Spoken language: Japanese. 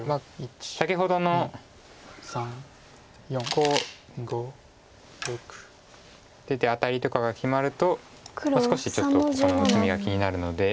先ほどのこう出てアタリとかが決まると少しちょっとここの薄みが気になるので。